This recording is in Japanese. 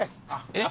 えっ？